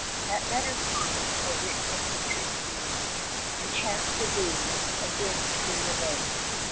That better time, for which the patriots yearn, Enchants the gaze, again to fade away.